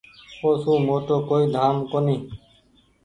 او سون موٽو ڪوئي ڌآم ڪونيٚ ڇي۔